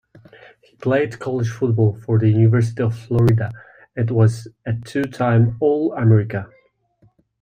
He played college football for the University of Florida, and was a two-time All-American.